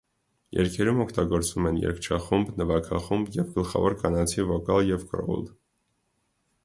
Երգերում օգտագործվում են երգչախումբ, նվագախումբ և գլխավոր կանացի վոկալ և գրոուլ։